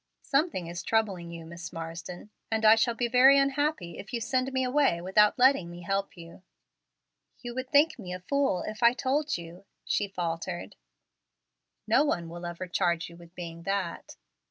"Something is troubling you, Miss Marsden, and I shall be very unhappy if you send me away without letting me help you." "You would think me a fool if I told you," she faltered. "No one will ever charge you with being that."